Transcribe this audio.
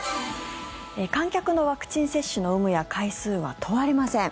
観客のワクチン接種の有無や回数は問われません。